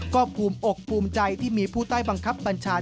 ก็ภูมิอกภูมิใจที่มีผู้ใต้บังคับบัญชา